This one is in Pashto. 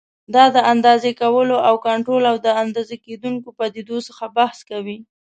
دا د اندازې کولو او کنټرول او د اندازه کېدونکو پدیدو څخه بحث کوي.